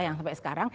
yang sampai sekarang